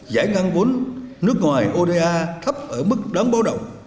giải ngân vốn nước ngoài oda thấp ở mức đáng báo động